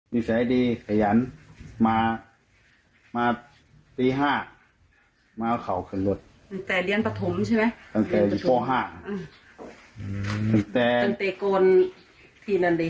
มีอะไรนะครับจะทำดูแล